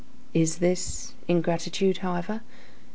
Is this ingratitude, however?